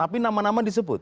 tapi nama nama disebut